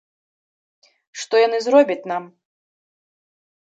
Што яны зробяць нам!